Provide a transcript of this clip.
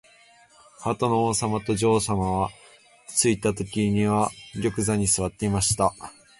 ハートの王さまと女王さまは、ついたときには玉座にすわっていました。